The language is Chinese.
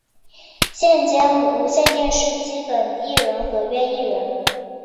现兼无线电视基本艺人合约艺人。